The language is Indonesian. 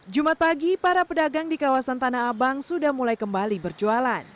jumat pagi para pedagang di kawasan tanah abang sudah mulai kembali berjualan